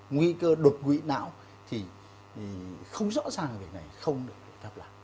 nguy cơ đột quỷ não thì không rõ ràng là việc này không được phép làm